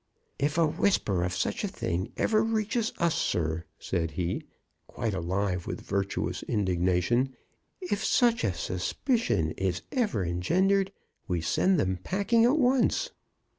"If a whisper of such a thing ever reaches us, sir," said he, quite alive with virtuous indignation; "if such a suspicion is ever engendered, we send them packing at once!